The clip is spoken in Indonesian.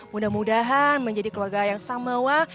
mudah mudahan menjadi keluarga yang sama wa